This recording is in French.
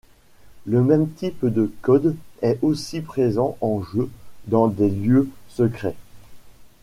Le même type de code est aussi présent en jeu, dans des lieux secrets.